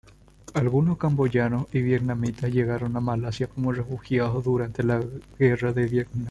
Algunos camboyanos y vietnamitas llegaron a Malasia como refugiados durante la Guerra de Vietnam.